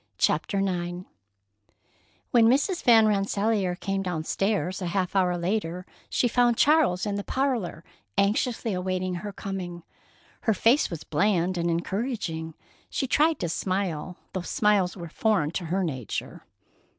CHAPTER IX When Mrs. Van Rensselaer came down stairs a half hour later she found Charles in the parlor anxiously awaiting her coming. Her face was bland and encouraging. She tried to smile, though smiles were foreign to her nature.